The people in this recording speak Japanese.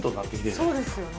そうですね。